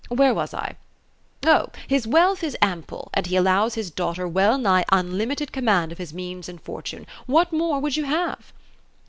Where was I ? oh — His wealth is ample ; and he allows his daughter well nigh unlimited command of his means and fortune. What more .would you have